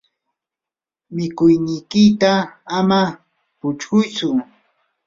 mikuynikiyta ama puksuytsu.